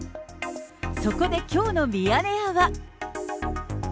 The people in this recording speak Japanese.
そこで、きょうのミヤネ屋は。